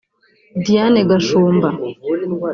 Diane Gashumba